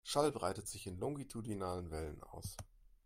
Schall breitet sich in longitudinalen Wellen aus.